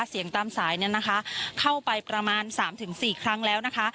เสียงตามสายเนี่ยนะคะเข้าไปประมาณ๓๔ครั้งแล้วนะคะ